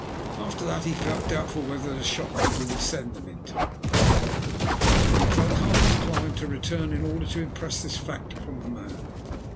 After that he felt doubtful whether the shopkeeper would send them in time, and felt half inclined to return in order to impress this fact upon the man.